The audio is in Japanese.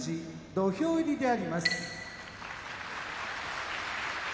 土俵入りであります。